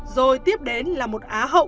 rồi tiếp đến là một á hậu